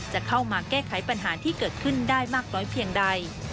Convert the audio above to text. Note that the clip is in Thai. จะเข้ามาแก้ไขปัญหาที่เกิดขึ้นได้มากน้อยเพียงใด